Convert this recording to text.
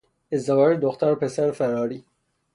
ازدواج دختر و پسر فراری